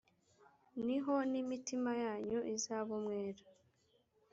ni ho n imitima yanyu izaba umwera